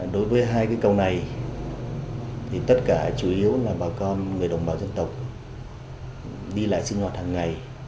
đối với hai cây cầu này thì tất cả chủ yếu là bà con người đồng bào dân tộc đi lại sinh hoạt hàng ngày